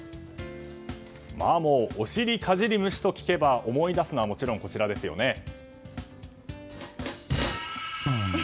もうオシリカジリムシと聞けば思い出すのはもちろんこちらですよね。